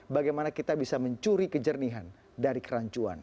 bagaimana kita bisa mencuri kejernihan dari kerancuan